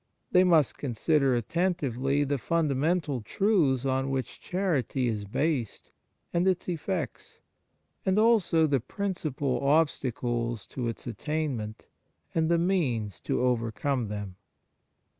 They must consider attentively the fundamental truths on which chanty is based and its effects, as also the principal obstacles to its attainment, and the means to overcome them.